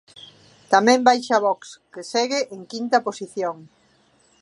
Tamén baixa Vox, que segue en quinta posición.